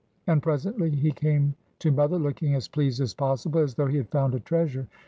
And presently he came to mother, looking as pleased as possible, as though he had found a treasure.